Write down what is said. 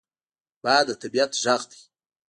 باد د طبعیت غږ دی